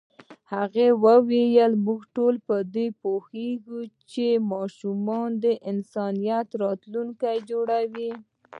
هغې وویل موږ ټول په دې پوهېږو چې ماشومان د انسانیت راتلونکی جوړوي.